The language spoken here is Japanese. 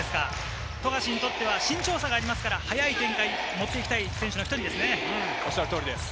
富樫にとっては身長差がありますから、速い展開に持って行きたい選手の１人です。